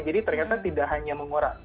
jadi ternyata tidak hanya mengurangi